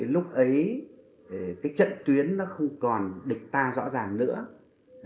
lúc ấy cái trận tuyến nó không còn địch ta rõ ràng nữa